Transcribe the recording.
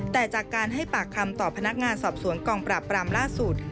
แต่จากการให้ปากคำต่อพนักงานสอบสวนกองปราบปรามล่าสุด